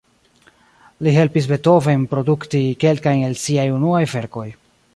Li helpis Beethoven produkti kelkajn el siaj unuaj verkoj.